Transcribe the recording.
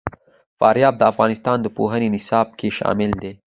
فاریاب د افغانستان د پوهنې نصاب کې شامل دي.